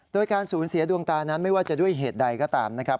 โดยการสูญเสียดวงตานั้นไม่ว่าจะด้วยเหตุใดก็ตามนะครับ